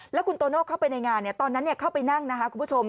แล้วคุณโตโน่เข้าไปในงานตอนนั้นเข้าไปนั่งนะคะคุณผู้ชม